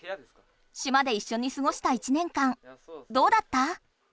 島でいっしょにすごした１年間どうだった？